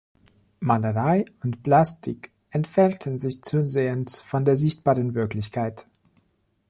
Malerei und Plastik entfernten sich zusehends von der sichtbaren Wirklichkeit.